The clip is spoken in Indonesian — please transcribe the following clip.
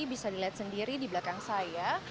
bisa dilihat sendiri di belakang saya